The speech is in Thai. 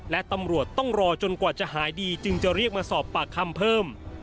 และตำรวจต้องรอจนกว่าจะหายดีจึงจะเรียกมาสอบปากคำเพิ่ม